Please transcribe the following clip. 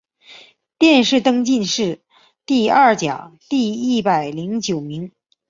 殿试登进士第二甲第一百零九名。